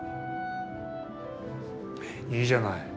いいじゃない？